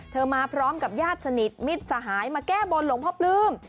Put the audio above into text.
มาพร้อมกับญาติสนิทมิตรสหายมาแก้บนหลวงพ่อปลื้ม